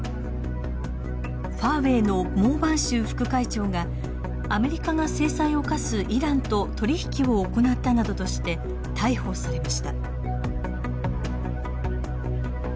ファーウェイの孟晩舟副会長がアメリカが制裁を科すイランと取り引きを行ったなどとして逮捕されました。